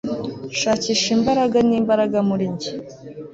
shakisha imbaraga n'imbaraga muri njye